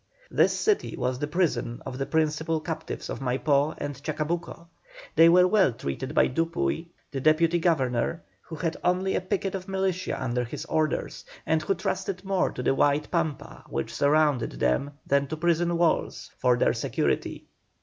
This city was the prison of the principal captives of Maipó and Chacabuco. They were well treated by Dupuy, the Deputy Governor, who had only a picket of militia under his orders, and who trusted more to the wide Pampa which surrounded them than to prison walls for their security.